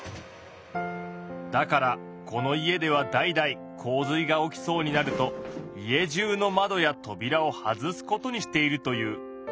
だからこの家では代々洪水が起きそうになると家じゅうの窓やとびらを外すことにしているという。